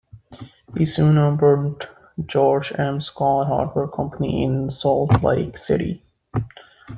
He soon opened George M. Scott Hardware Company in Salt Lake City.